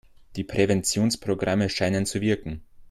Die Präventionsprogramme scheinen zu wirken.